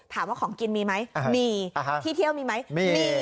ถามว่าของกินมีไหมมีที่เที่ยวมีไหมมี